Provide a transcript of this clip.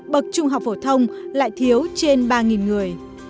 bậc trung học phổ thông lại thiếu trên ba người